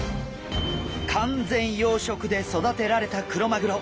完全養殖で育てられたクロマグロ。